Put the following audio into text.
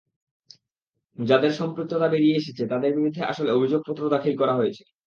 যাঁদের সম্পৃক্ততা বেরিয়ে এসেছে, তাঁদের বিরুদ্ধে আসলে অভিযোগপত্র দাখিল করা হয়েছে।